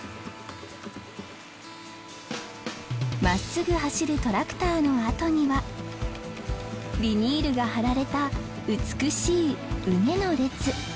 真っすぐ走るトラクターの跡にはビニールが張られた美しい畝の列。